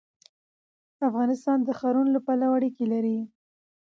افغانستان د ښارونو له پلوه اړیکې لري.